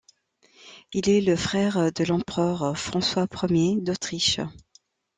Il est le frère de l'empereur François Ier d'Autriche.